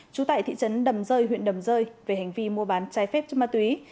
chú tại thị trấn đầm rơi huyện đầm rơi về hành vi mua bán chai phép cho ma túy